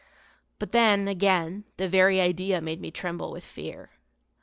But then, again, the very idea made me tremble with fear.